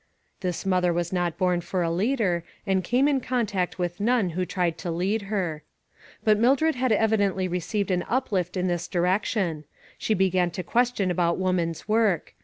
This mother was not born for a leader, and came in contact with none who tried to lead her. But Mildred had evidently re ceived an uplift in this direction. She be gan to question about woman's work.